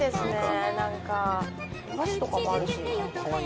お箸とかもあるし。